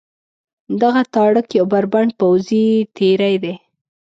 دغه تاړاک یو بربنډ پوځي تېری دی.